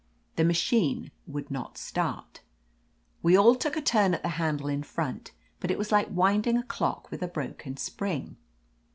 The machine would not start. We all took a turn at the handle in front, but it was like winding a clock with a broken spring.